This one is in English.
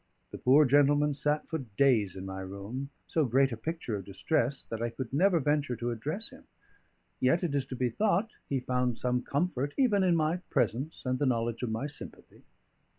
The poor gentleman sat for days in my room, so great a picture of distress that I could never venture to address him; yet it is to be thought he found some comfort even in my presence and the knowledge of my sympathy.